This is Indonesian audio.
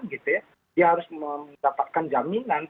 dia harus mendapatkan jaminan